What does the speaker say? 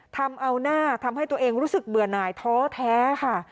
ทำเอาหน้าทำให้ตัวเองรู้สึกเบื่อหน่ายท้อแท้ค่ะ